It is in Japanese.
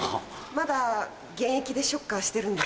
まだ現役でショッカーしてるんだ。